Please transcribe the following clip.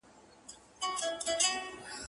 سهار چي له خلوته را بهر سې خندا راسي